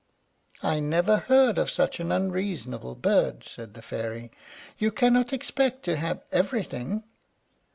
"I never heard of such an unreasonable bird," said the Fairy. "You cannot expect to have everything."